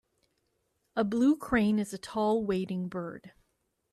A blue crane is a tall wading bird.